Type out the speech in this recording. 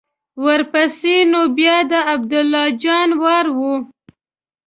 ورپسې نو بیا د عبدالله جان وار و.